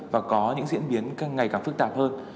và có những diễn biến càng ngày càng phức tạp hơn